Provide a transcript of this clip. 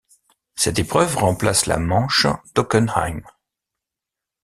Cette épreuve remplace la manche d'Hockenheim.